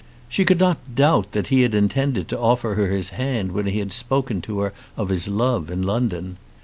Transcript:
She could not doubt that he had intended to offer her his hand when he had spoken to her of his love in London.